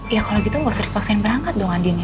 ya kalau gitu nggak usah dipaksain berangkat dong andin ya